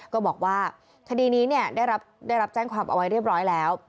ก็บอกว่าคดีนี้ได้รับแจ้งความเอาไว้เรียบร้อยแล้ว